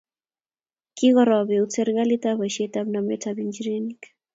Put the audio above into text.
Kokoroop eut serikalit boisyetab nametab injireniik.